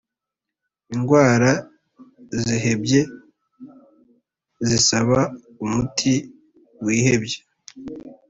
indwara zihebye zisaba umuti wihebye